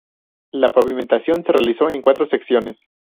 La pavimentación se realizó en cuatro secciones.